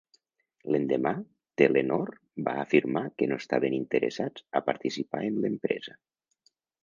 L'endemà, Telenor va afirmar que no estaven interessats a participar en l'empresa.